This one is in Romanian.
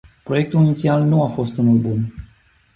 Proiectul inițial nu a fost unul bun.